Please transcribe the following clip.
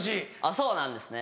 そうなんですね。